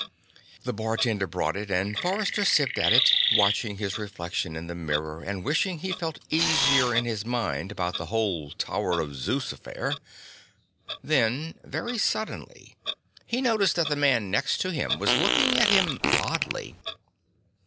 The bartender brought it and Forrester sipped at it, watching his reflection in the mirror and wishing he felt easier in his mind about the whole Tower of Zeus affair. Then, very suddenly, he noticed that the man next to him was looking at him oddly.